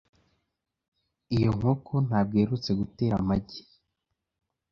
Iyo nkoko ntabwo iherutse gutera amagi .